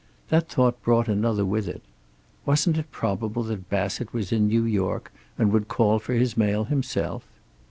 That thought brought another with it. Wasn't it probable that Bassett was in New York, and would call for his mail himself?